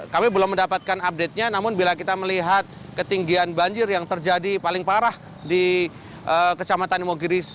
kami belum mendapatkan update nya namun bila kita melihat ketinggian banjir yang terjadi paling parah di kecamatan imogiri